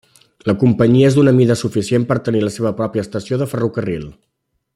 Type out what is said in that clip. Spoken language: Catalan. La companyia és d'una mida suficient per tenir la seva pròpia estació de ferrocarril.